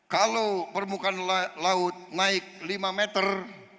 kalau permukaan laut naik lima meter